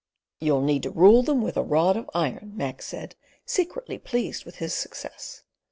"You'll need to rule them with a rod of iron," Mac said, secretly pleased with his success.